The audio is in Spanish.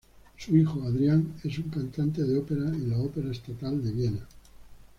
Su hijo, Adrián, es un cantante de ópera en la Ópera Estatal de Viena.